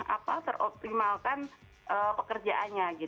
artinya mereka belum teroptimalkan pekerjaannya